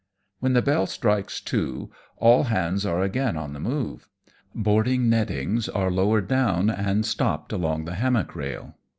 When the bell strikes two, all hands are again on the move. Boarding nettings are lowered down, and stopped along the hammock rail.